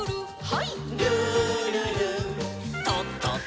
はい。